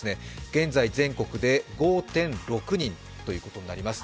現在、全国で５．６人ということになります。